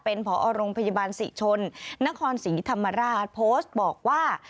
เป็นผอโรงพยาบาลศรีชนนครศรีธรรมราชโพสต์บอกว่า